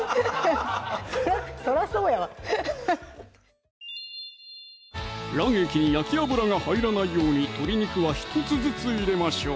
そうやわ卵液に焼き油が入らないように鶏肉は１つずつ入れましょう！